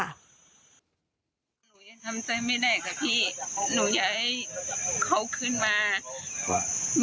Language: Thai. หนูยังทำใจไม่ได้ค่ะพี่หนูอยากให้เขาขึ้นมาว่า